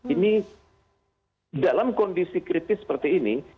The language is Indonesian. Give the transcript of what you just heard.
ini dalam kondisi kritis seperti ini